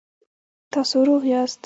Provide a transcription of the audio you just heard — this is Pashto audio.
تاسو روغ یاست؟